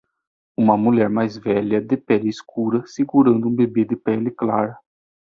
Uma mulher mais velha de pele escura segurando um bebê de pele clara.